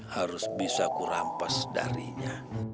harus bisa ku rampas darinya